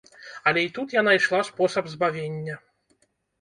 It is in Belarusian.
Але й тут я найшла спосаб збавення.